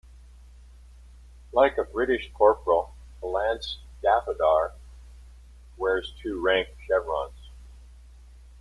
Like a British corporal, a lance daffadar wears two rank chevrons.